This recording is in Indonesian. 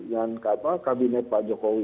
dengan kabinet pak jokowi